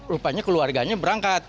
rupanya keluarganya berangkat